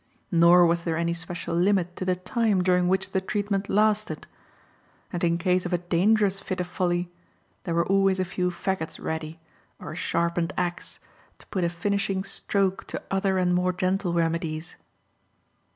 Nor was there any special limit to the time during which the treatment lasted. And in case of a dangerous fit of folly, there were always a few faggots ready, or a sharpened axe, to put a finishing stroke to other and more gentle remedies.